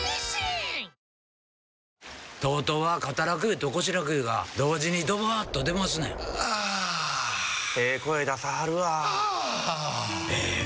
ＴＯＴＯは肩楽湯と腰楽湯が同時にドバーッと出ますねんあええ声出さはるわあええ